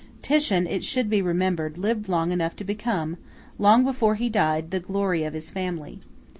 Titian, it should be remembered, lived long enough to become, long before he died, the glory of his family.